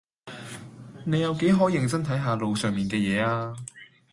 你有幾可認真睇下路上面嘅嘢吖